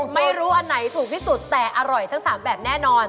ไม่รู้อันไหนถูกที่สุดแต่อร่อยทั้ง๓แบบแน่นอน